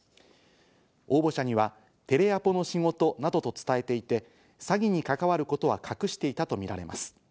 応募者にはテレアポの仕事などと伝えていて、詐欺に関わることは隠していたとみられます。